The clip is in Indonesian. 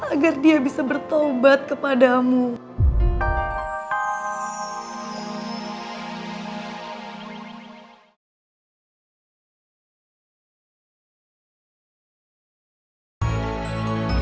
agar dia bisa bertobat kepada allah